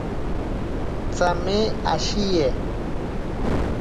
Tsame ashiye.